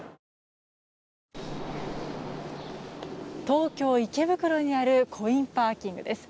東京・池袋にあるコインパーキングです。